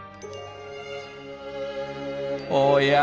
おや？